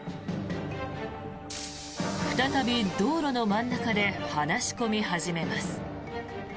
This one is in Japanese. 再び道路の真ん中で話し込み始めます。